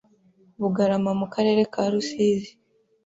Bugarama mu karere ka Rusizi